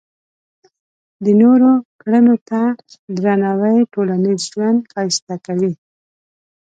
د نورو کړنو ته درناوی ټولنیز ژوند ښایسته کوي.